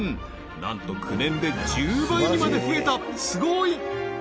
なんと９年で１０倍にまで増えたすごい！